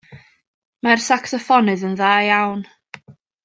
Mae'r sacsoffonydd yn dda iawn.